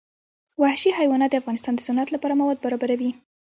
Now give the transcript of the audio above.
وحشي حیوانات د افغانستان د صنعت لپاره مواد برابروي.